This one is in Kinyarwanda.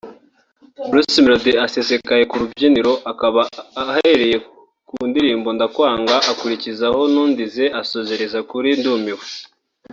Bruce Melody asesekaye ku rubyiniro akaba ahereye ku ndirimbo ’Ndakwanga’ akurikizaho ’Ntundize’ asoreza kuri ’Ndumiwe